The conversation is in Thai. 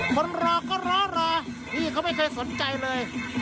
คนรอก็รอรอพี่เขาไม่เคยสนใจเลย